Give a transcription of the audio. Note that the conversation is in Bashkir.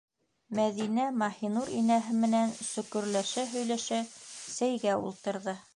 Мәҙинә Маһинур инәһе менән сөкөрләшә- һөйләшә сәйгә ултырҙы.